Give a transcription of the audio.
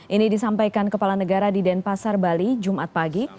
ini disampaikan kepala negara di denpasar bali jumat pagi